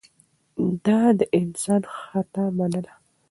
ده د انسان خطا منله.